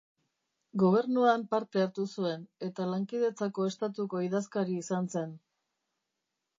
Gobernuan parte hartu zuen, eta Lankidetzako Estatuko idazkari izan zen.